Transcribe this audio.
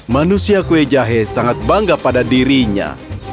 manusia kue jahe sangat bangga pada dirinya